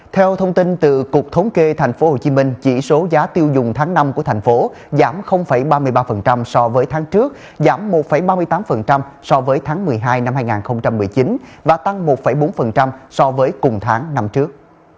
theo thông tin từ cục thống kê tp hcm chỉ số giá tiêu dùng tháng năm của thành phố giảm ba mươi ba so với tháng trước giảm một ba mươi tám so với tháng một mươi hai năm hai nghìn một mươi chín và tăng một bốn so với cùng tháng năm trước